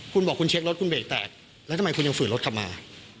คุณบอกคุณเช็ครถคุณเบรกแตกแล้วทำไมคุณยังฝืนรถกลับมา